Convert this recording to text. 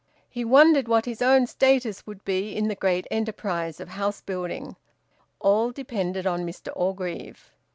He wondered what his own status would be in the great enterprise of house building. All depended on Mr Orgreave.